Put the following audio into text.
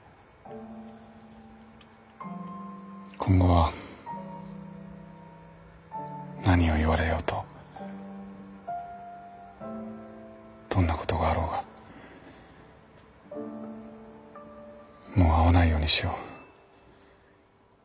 今後は何を言われようとどんなことがあろうがもう会わないようにしよう。